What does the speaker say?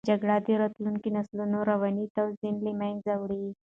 جګړه د راتلونکو نسلونو رواني توازن له منځه وړي.